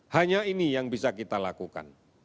hanya ini yang bisa kita lakukan